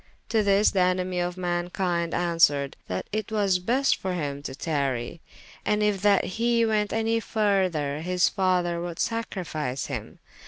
To this the enemie of mankynde answered, that it was best for hym to tarrye, and yf that he went anye further, his father would sacrifice him.